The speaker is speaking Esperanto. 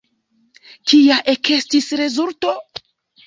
Kia ekestis rezulto?